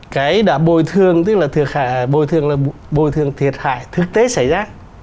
cái đã bồi thường tức là bồi thường thiệt hại thực tế xảy ra